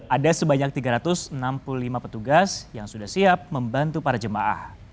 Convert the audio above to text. ada sebanyak tiga ratus enam puluh lima petugas yang sudah siap membantu para jemaah